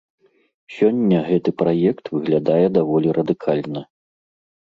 Сёння гэты праект выглядае даволі радыкальна.